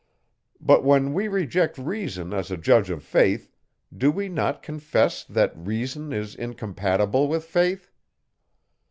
But when we reject reason as a judge of faith, do we not confess, that reason is incompatible with faith?